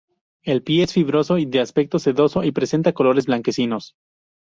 El pie es fibroso y de aspecto sedoso, y presenta colores blanquecinos.